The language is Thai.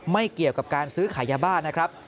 ไม่เกี่ยวกับการซื้อขายยาบ้านะครับ